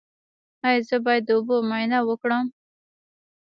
ایا زه باید د اوبو معاینه وکړم؟